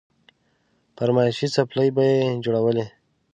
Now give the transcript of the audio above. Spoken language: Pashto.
فرمايشي څپلۍ به يې جوړولې.